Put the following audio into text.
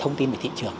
thông tin về thị trường